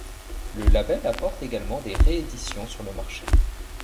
Le label apporte également des rééditions sur le marché.